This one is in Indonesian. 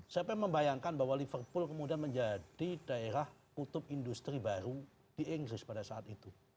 siapa yang membayangkan bahwa liverpool kemudian menjadi daerah kutub industri baru di inggris pada saat itu